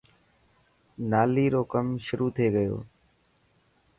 نالي رو ڪم شروع ٿي گيو.